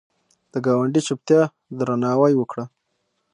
د ګاونډي چوپتیا درناوی وکړه